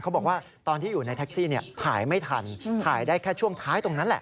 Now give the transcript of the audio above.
เขาบอกว่าตอนที่อยู่ในแท็กซี่ถ่ายไม่ทันถ่ายได้แค่ช่วงท้ายตรงนั้นแหละ